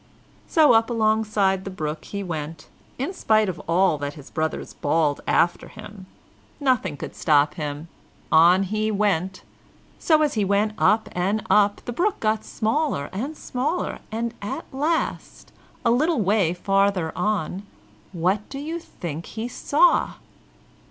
So up alongside the brook he went, in spite of all that his brothers bawled after him. Nothing could stop him. On he went. So, as he went up and up, the brook got smaller and smaller, and at last, a little way farther on, what do you think he saw?